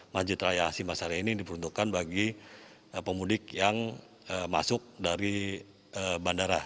masjid raya k i haji hasim asyari ini diperuntukkan bagi pemudik yang masuk dari bandara